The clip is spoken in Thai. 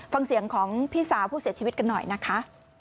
ฟังเสียงของพี่สาวผู้เสียชีวิตกันหน่อยนะคะ